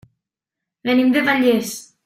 Venim de Vallés.